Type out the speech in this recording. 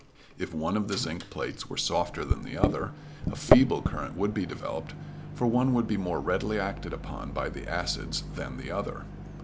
If one of the zinc plates were softer than the other, a feeble current would be developed, for one would be more readily acted upon by the acids than the other.